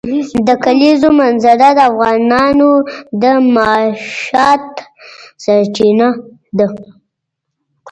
د کلیزو منظره د افغانانو د معیشت سرچینه ده.